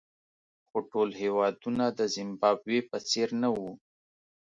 خو ټول هېوادونه د زیمبابوې په څېر نه وو.